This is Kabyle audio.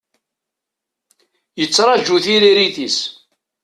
Yettraju tiririt-is.